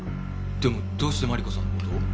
でもどうしてマリコさんの事を？